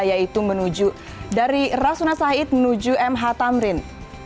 yaitu menuju dari rasuna sahid menuju mh tamrin